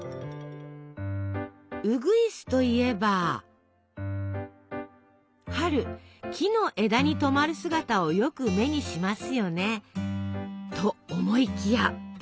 うぐいすといえば春木の枝にとまる姿をよく目にしますよね。と思いきや！